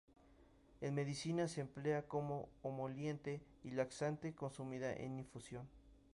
En medicina se emplea como emoliente y laxante, consumida en infusión.